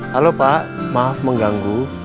halo pak maaf mengganggu